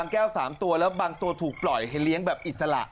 แล้วบางตัวถูกปล่อยให้เลี้ยงแบบอิสระ